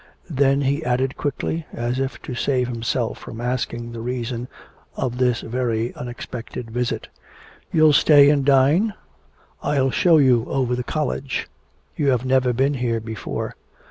Then he added quickly, as if to save himself from asking the reason of this very unexpected visit: 'You'll stay and dine? I'll show you over the college: you have never been here before....